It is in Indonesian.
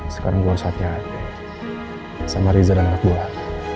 sekarang gue harus hati hati sama riza dan rekuah